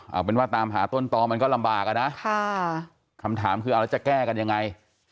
เอาเป็นว่าตามหาต้นตอมันก็ลำบากอ่ะนะคำถามคือเอาแล้วจะแก้กันยังไง